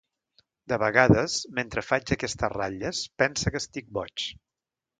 De vegades, mentre faig aquestes ratlles, pense que estic boig.